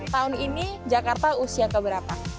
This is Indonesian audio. tahun ini jakarta usia keberapa empat ratus sembilan puluh lima